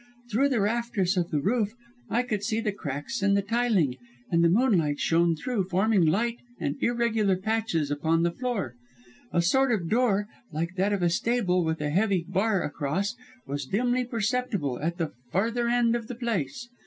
Through the rafters of the roof I could see the cracks in the tiling, and the moonlight shone through, forming light and irregular patches upon the floor. A sort of door, like that of a stable, with a heavy bar across, was dimly perceptible at the further end of the place.